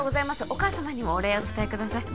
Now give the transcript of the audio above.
お母様にもお礼お伝えください